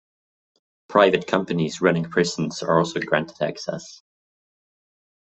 Private companies running prisons are also granted access.